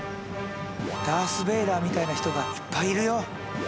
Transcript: ダース・ベイダーみたいな人がいっぱいいるよ！